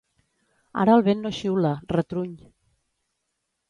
Ara el vent no xiula, retruny.